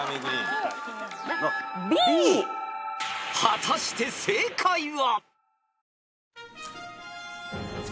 ［果たして正解は？］